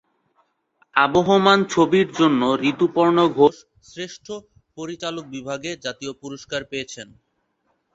আবহমান ছবির জন্য ঋতুপর্ণ ঘোষ শ্রেষ্ঠ পরিচালক বিভাগে জাতীয় পুরস্কার পেয়েছেন।